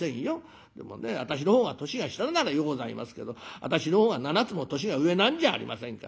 でもね私の方が年が下ならようございますけど私の方が７つも年が上なんじゃありませんか。